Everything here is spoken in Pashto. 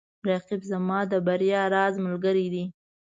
رقیب زما د بریا د راز ملګری دی